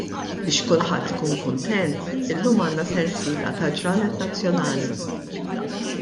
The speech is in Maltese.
Biex kulħadd ikun kuntent illum għandna sensiela ta' ġranet nazzjonali.